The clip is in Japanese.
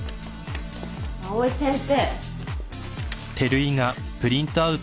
藍井先生。